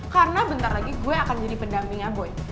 karena bentar lagi gue akan jadi pendampingnya boy